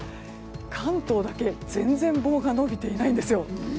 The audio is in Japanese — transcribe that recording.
関東だけ、全然棒が伸びていないんですよ。